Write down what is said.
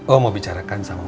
oh mau bicarakan sama